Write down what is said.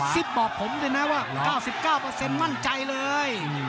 ก็ซิบบอกผมได้นะว่า๙๙มั่นใจเลย